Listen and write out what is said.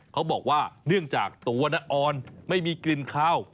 เขาบอกว่าเนื่องจากตัวน้าออนไม่มีกลิ่นข้าว